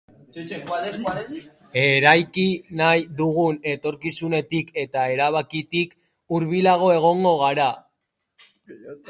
Eraiki nahi dugun etorkizunetik eta erabakitik hurbilago egongo gara.